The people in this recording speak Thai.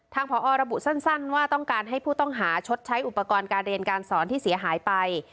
ผอระบุสั้นว่าต้องการให้ผู้ต้องหาชดใช้อุปกรณ์การเรียนการสอนที่เสียหายไป